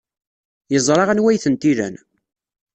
Yeẓra anwa ay tent-ilan.